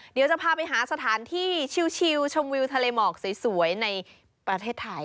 เดี๋ยวจะพาไปหาสถานที่ชิลชมวิวทะเลหมอกสวยในประเทศไทย